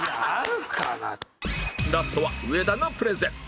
ラストは上田がプレゼン